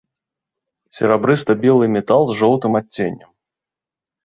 Серабрыста-белы метал з жоўтым адценнем.